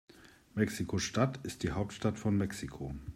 Mexiko-Stadt ist die Hauptstadt von Mexiko.